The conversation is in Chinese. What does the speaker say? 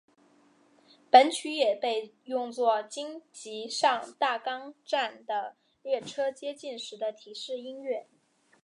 本曲也被用作京急上大冈站的列车接近时的提示音乐。